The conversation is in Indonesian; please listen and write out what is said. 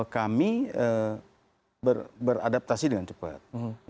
kami beradaptasi dengan cepat